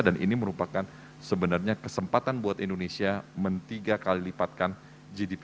dan ini merupakan sebenarnya kesempatan buat indonesia meniga kali lipatkan gdpr